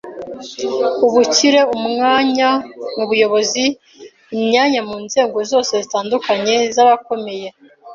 Ubukire, umwanya mu buyobozi, imyanya mu nzego zose zitandukanye z’abakomeye,